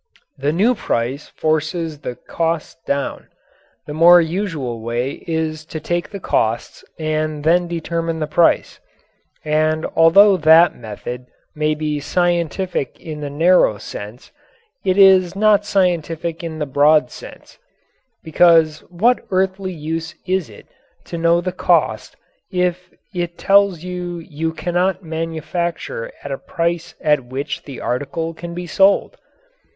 The new price forces the costs down. The more usual way is to take the costs and then determine the price, and although that method may be scientific in the narrow sense, it is not scientific in the broad sense, because what earthly use is it to know the cost if it tells you you cannot manufacture at a price at which the article can be sold?